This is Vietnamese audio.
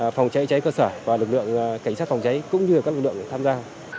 phòng cháy cháy cơ sở và lực lượng cảnh sát phòng cháy cũng như các lực lượng tham gia